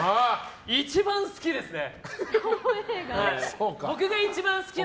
一番好きですね。